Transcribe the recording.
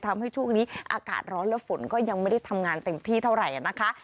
ทำให้ช่วงนี้อากาศร้อนและฝนก็ยังไม่ได้ทำงานเต็มที่เท่าไหร่นะคะ